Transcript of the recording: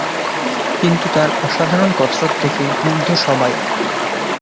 কিন্তু তার অসাধারণ কসরত দেখে মুগ্ধ সবাই।